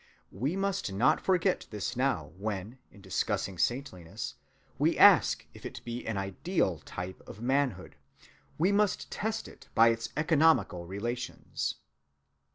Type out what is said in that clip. We must not forget this now when, in discussing saintliness, we ask if it be an ideal type of manhood. We must test it by its economical relations.